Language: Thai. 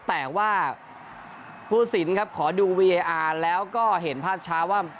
แต่ว่าผู้สินครับขอดูวีเออาร์แล้วก็เห็นภาพช้าว่า